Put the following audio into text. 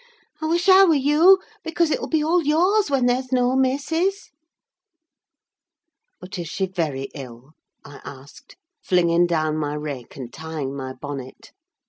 I wish I were you, because it will be all yours when there is no missis!" "But is she very ill?" I asked, flinging down my rake and tying my bonnet.